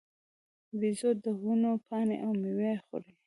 بیزو د ونو پاڼې او مېوې خوري.